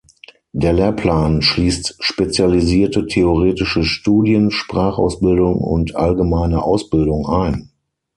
Der Lehrplan schließt spezialisierte theoretische Studien, Sprachausbildung und allgemeine Ausbildung ein.